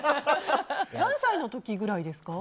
何歳の時くらいですか？